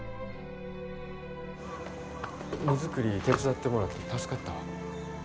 荷造り手伝ってもろて助かったわ。